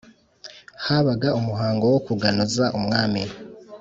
habaga umuhango wo kuganuza umwami.